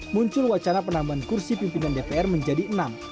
muncul wacana penambahan kursi pimpinan dpr menjadi enam